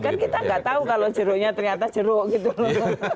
kan kita nggak tahu kalau jeruknya ternyata jeruk gitu loh